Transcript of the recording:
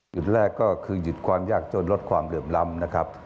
แรกก็คือหยุดความยากจนลดความเหลื่อมล้ำนะครับ